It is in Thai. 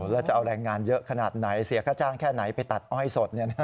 แล้วจะเอาแรงงานเยอะขนาดไหนเสียค่าจ้างแค่ไหนไปตัดอ้อยสด